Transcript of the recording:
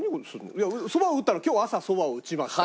いやそばを打ったのは今日朝そばを打ちました。